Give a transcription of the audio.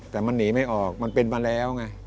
แต่มันหนีไม่ออกมันเป็นมาแล้วไง